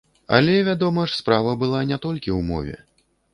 Але, вядома ж, справа была не толькі ў мове.